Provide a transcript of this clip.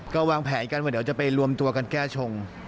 แต่ว่าเดี๋ยวจะไปรวมตัวกันแก้ชง